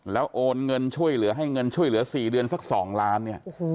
แล้วโอนเงินช่วยเหลือให้เงินช่วยเหลือ๔เดือนสัก๒ล้านเนี่ย